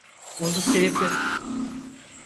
Onu sevdi.